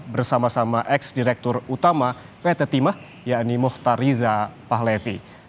bersama sama ex direktur utama pt timah yakni muhtariza pahlevi